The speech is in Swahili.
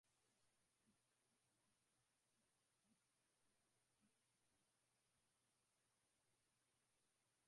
Seyyid Said aliubadilisha Mji wa Zanzibar kutoka nyumba za udongo zilizoezekwa makuti